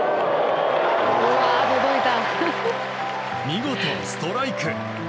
見事、ストライク。